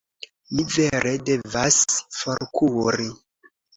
Mi vere devas forkuri.